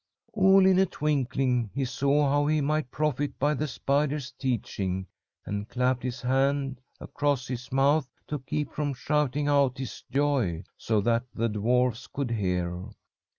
"All in a twinkling he saw how he might profit by the spider's teaching, and clapped his hand across his mouth to keep from shouting out his joy, so that the dwarfs could hear.